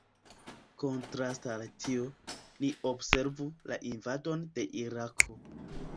Kontraste al tio, ni observu la invadon de Irako.